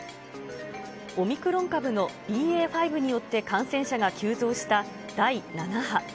オミクロン株のＢＡ．５によって感染者が急増した第７波。